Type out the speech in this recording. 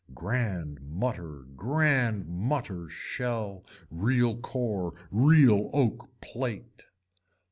Grand mutter grand mutter shell, real core, real oak plate.